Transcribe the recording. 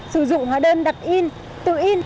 sử dụng hóa đơn đặt in tự in